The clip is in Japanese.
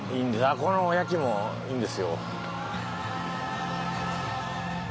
ここのおやきもいいんですよ。